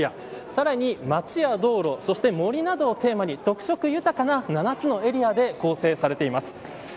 さらに街や道路そして森などをテーマに特色豊かな７つのエリアで構成されています。